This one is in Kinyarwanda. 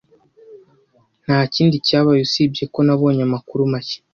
Ntakindi cyabaye usibye ko nabonye amakuru make.